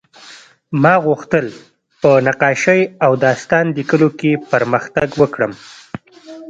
ما غوښتل په نقاشۍ او داستان لیکلو کې پرمختګ وکړم